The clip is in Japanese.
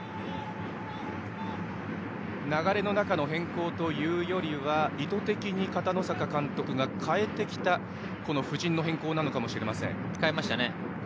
流れの中の変更というよりは意図的に片野坂監督が変えてきた布陣変更かもしれません。